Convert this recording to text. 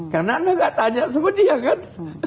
karena anda gak tanya seperti dia kan